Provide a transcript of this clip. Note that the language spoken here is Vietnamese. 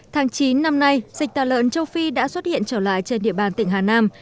tháng chín năm nay dịch tà lợn châu phi đã xuất hiện trở lại trên địa bàn tỉnh hà nam